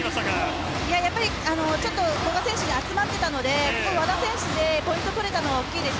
やっぱり古賀選手に集まっていたので和田選手でポイントを取れたのは大きいです。